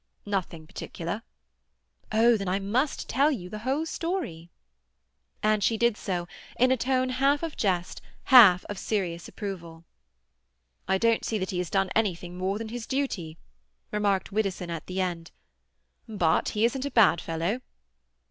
"Nothing particular." "Oh, then I must tell you the whole story." And she did so, in a tone half of jest, half of serious approval. "I don't see that he has done anything more than his duty," remarked Widdowson at the end. "But he isn't a bad fellow."